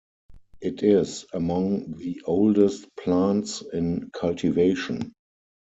It is among the oldest plants in cultivation.